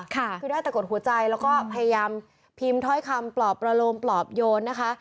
คือได้แต่กดหัวใจแล้วก็พยายามพิมพ์ถ้อยคำปลอบประโลมปลอบโยนนะคะ